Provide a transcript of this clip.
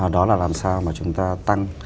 đó là làm sao mà chúng ta tăng